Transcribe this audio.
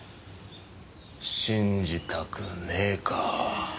信じたくねえか。